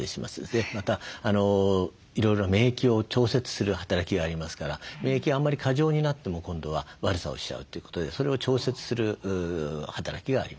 またいろいろ免疫を調節する働きがありますから免疫があんまり過剰になっても今度は悪さをしちゃうということでそれを調節する働きがあります。